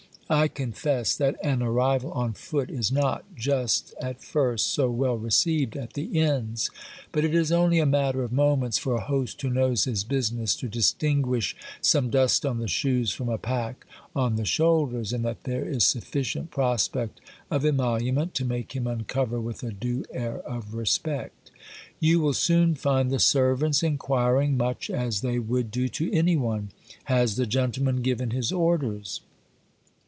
I confess that an arrival on foot is not just at first so well received at the inns, but it is only a matter of moments for a host who knows his business to dis tinguish some dust on the shoes from a pack on the shoulders, and that there is sufficient prospect of emolu ment to make him uncover with a due air of respect. You will soon find the servants inquiring, much as they would do to any one :" Has the gentleman given his orders